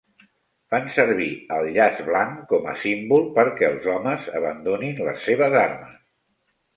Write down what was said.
Fan servir el llaç blanc com a símbol perquè els homes abandonin les seves armes.